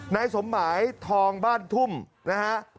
ในสมหมายทองบ้านถุ่มนะครับ